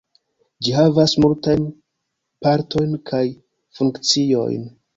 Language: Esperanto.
Ĝi havas multajn partojn kaj funkciojn.